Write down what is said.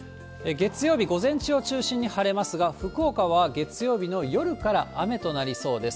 月曜日午前中を中心に晴れますが、福岡は月曜日の夜から雨となりそうです。